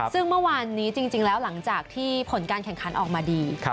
ซึ่งเมื่อวานนี้จริงแล้วหลังจากที่ผลการแข่งขันออกมาดี